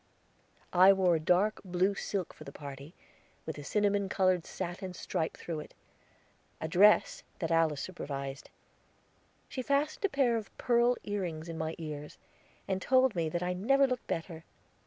I wore a dark blue silk for the party, with a cinnamon colored satin stripe through it; a dress that Alice supervised. She fastened a pair of pearl ear rings in my ears, and told me that I never looked better.